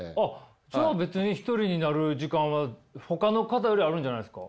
じゃあ別に１人になる時間はほかの方よりあるんじゃないんですか？